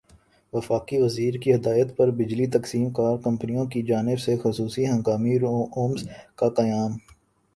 وفاقی وزیر کی ہدایت پر بجلی تقسیم کار کمپنیوں کی جانب سےخصوصی ہنگامی رومز کا قیام